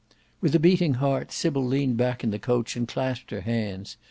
With a beating heart, Sybil leant back in the coach and clasped her hands.